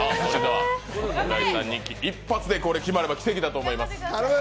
一発で決まれば奇跡だと思います。